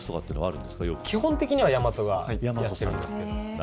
基本的にはやまとがやってるんですけど。